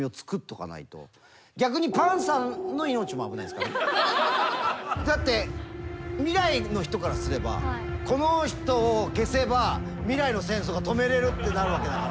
だから潘さんはだって未来の人からすればこの人を消せば未来の戦争が止めれるってなるわけだから。